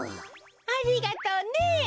ありがとうね。